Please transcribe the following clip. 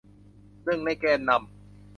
หนึ่งในแกนนำ